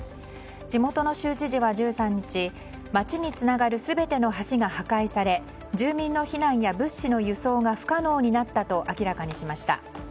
地元の州知事は１３日街につながる全ての橋が破壊され住民の避難や物資の輸送が不可能になったと明らかにしました。